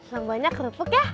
lombanya kerupuk ya